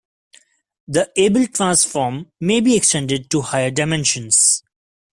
The Abel transform may be extended to higher dimensions.